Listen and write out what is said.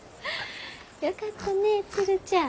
よかったねえ鶴ちゃん。